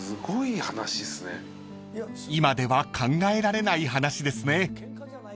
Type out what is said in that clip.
［今では考えられない話ですね］